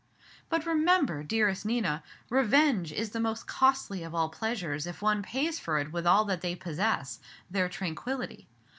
"But remember, dearest Nina, revenge is the most costly of all pleasures, if one pays for it with all that they possess their tranquillity.